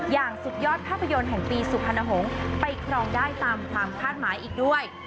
อย่างสุดยอดภาพยนตร์แห่งปีสุพรรณหงษ์ไปครองได้ตามความคาดหมายอีกด้วย